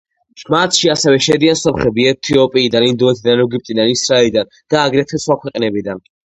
მათში ასევე შედიან სომხები ეთიოპიიდან, ინდოეთიდან, ეგვიპტიდან, ისრაელიდან და აგრეთვე სხვა ქვეყნებიდან.